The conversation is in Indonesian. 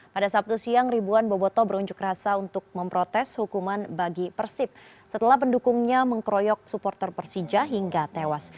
pada sabtu siang ribuan boboto berunjuk rasa untuk memprotes hukuman bagi persib setelah pendukungnya mengkroyok supporter persija hingga tewas